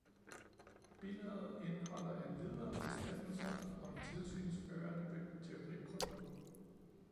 Bilaget indeholder endvidere bestemmelser om tilsynsførende ved teoriprøver